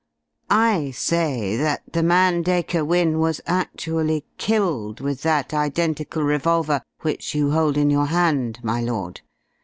"I say that the man Dacre Wynne was actually killed with that identical revolver which you hold in your hand, my lord.